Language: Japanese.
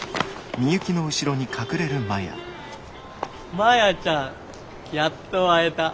マヤちゃんやっと会えた。